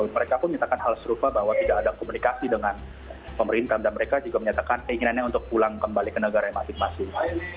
mereka pun menyatakan hal serupa bahwa tidak ada komunikasi dengan pemerintah dan mereka juga menyatakan keinginannya untuk pulang kembali ke negara yang masing masing